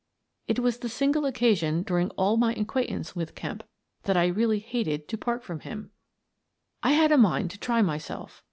It was the single occasion during all my acquaintance with Kemp when I really hated to part from him. I had a mind to try myself.